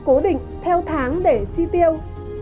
cố định theo tháng để chi tiêu